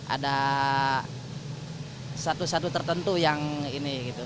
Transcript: ada satu satu tertentu yang ini gitu